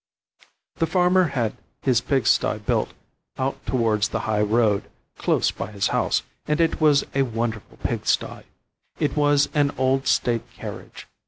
The farmer had his pig sty built out towards the high road, close by his house, and it was a wonderful pig sty. It was an old state carriage.